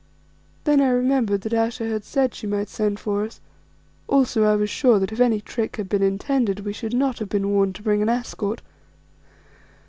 Then I remembered that Ayesha had said she might send for us; also I was sure that if any trick had been intended we should not have been warned to bring an escort.